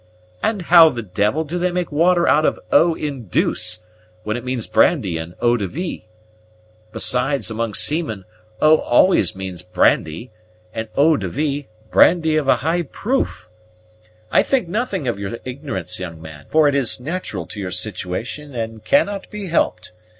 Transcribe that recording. "And how the devil do they make water out of Eau in deuce, when it means brandy in Eau de vie? Besides, among seamen, Eau always means brandy; and Eau de vie, brandy of a high proof. I think nothing of your ignorance, young man; for it is natural to your situation, and cannot be helped.